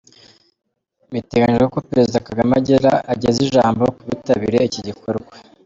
Biteganyijwe ko Perezida Kagame ageza ijambo ku bitabiriye iki gikorwa.